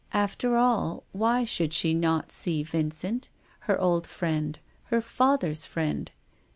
After all, why should she not see him, her old friend, her father's friend